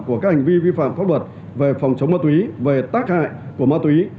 của các hành vi vi phạm pháp luật về phòng chống ma túy về tác hại của ma túy